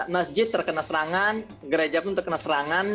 masjid terkena serangan gereja pun terkena serangan